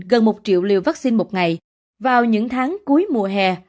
gần một triệu liều vaccine một ngày vào những tháng cuối mùa hè